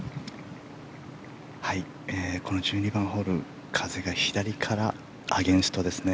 この１２番ホール風が左からアゲンストですね。